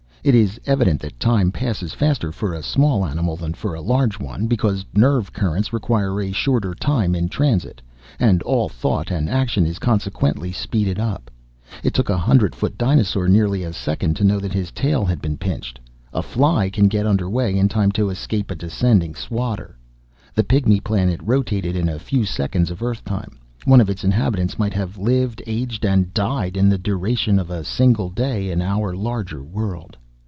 It is evident that time passes faster for a small animal than for a large one, because nerve currents require a shorter time in transit, and all thought and action is consequently speeded up. It took a hundred foot dinosaur nearly a second to know that his tail had been pinched. A fly can get under way in time to escape a descending swatter. The Pygmy Planet rotated in a few seconds of earth time; one of its inhabitants might have lived, aged, and died in the duration of a single day in our larger world.